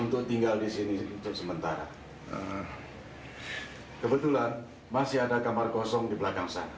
untuk tinggal di sini untuk sementara kebetulan masih ada kamar kosong di belakang saya